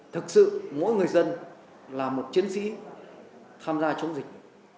thực sự mỗi người dân là một chiến sĩ tham gia chống dịch